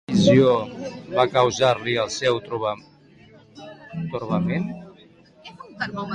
Quina visió va causar-li el seu torbament?